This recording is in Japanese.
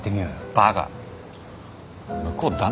バカ。